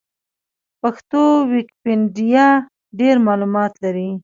پښتو ويکيپېډيا ډېر معلومات لري.